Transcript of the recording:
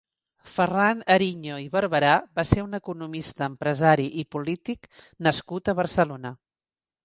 Ferran Ariño i Barberà va ser un economista, empresari i polític nascut a Barcelona.